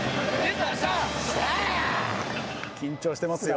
緊張してますよ。